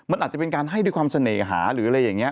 มันอาจจะเป็นการให้ด้วยความเสน่หาหรืออะไรอย่างนี้